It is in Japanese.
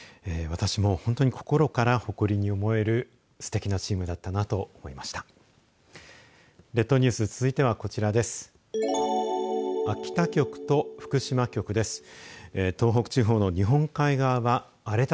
私も本当に心から誇りに思えるすてきなチームだったなと思いました。